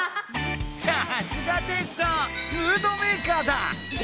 さすがテッショウムードメーカーだ！